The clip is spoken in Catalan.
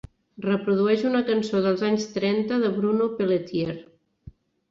Reprodueix una cançó dels anys trenta de Bruno Pelletier